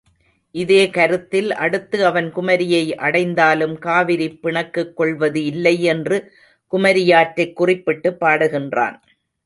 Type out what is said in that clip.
இதே கருத்தில் அடுத்து அவன் குமரியை அடைந்தாலும் காவிரி பிணக்குக் கொள்வது இல்லை என்று குமரியாற்றைக் குறிப்பிட்டுப் பாடுகின்றான்.